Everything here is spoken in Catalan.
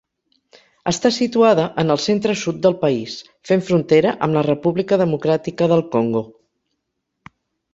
Està situada en el centre-sud del país, fent frontera amb la República Democràtica del Congo.